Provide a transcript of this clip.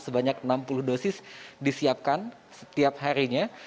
sebanyak enam puluh dosis disiapkan setiap harinya